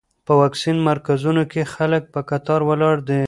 په واکسین مرکزونو کې خلک په کتار ولاړ دي.